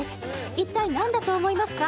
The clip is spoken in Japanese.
一体何だと思いますか？